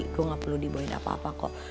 gue gak perlu dibuhin apa apa kok